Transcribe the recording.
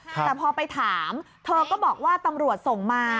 แต่พอไปถามเธอก็บอกว่าตำรวจส่งมา